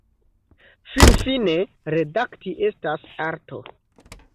Finfine, redakti estas arto.